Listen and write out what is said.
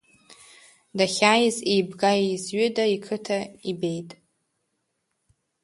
Дахьааиз еибга-еизҩыда иқыҭа ибеит.